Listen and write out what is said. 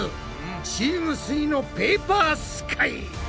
チームすイのペーパースカイ！